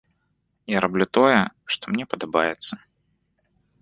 Я раблю тое, што мне падабаецца!